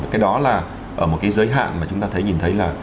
cái đó là một cái giới hạn mà chúng ta nhìn thấy là